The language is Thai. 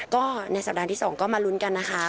ก็ในสัปดาห์ที่๒ก็มาลุ้นกันนะคะ